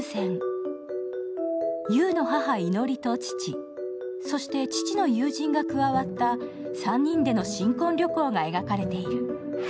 木綿の母いのりと父、そして父の友人が加わった３人での新婚旅行が描かれている。